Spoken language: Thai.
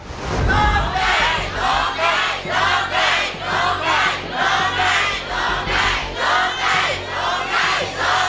ร้องได้ร้องได้ร้องได้ร้องได้